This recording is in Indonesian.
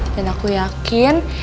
dan aku yakin